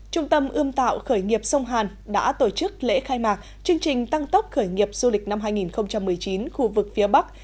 trung tâm ươm tạo khởi nghiệp sông hàn đã tổ chức lễ khai mạc chương trình tăng tốc khởi nghiệp du lịch năm hai nghìn một mươi chín khu vực phía bắc